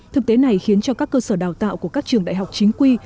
thực tế này khiến cho các cơ sở đào tạo của các trường đại học chính quy